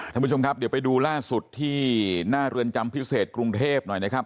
ท่านผู้ชมครับเดี๋ยวไปดูล่าสุดที่หน้าเรือนจำพิเศษกรุงเทพหน่อยนะครับ